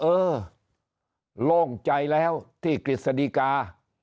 เออโล่งใจแล้วที่กฤษฎีกา